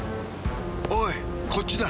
おいこっちだ。